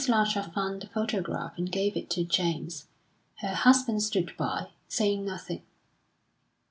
Larcher found the photograph and gave it to James. Her husband stood by, saying nothing.